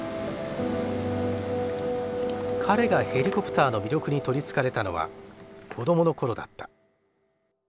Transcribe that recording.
彼がヘリコプターの魅力に取りつかれたのは子どもの頃だった。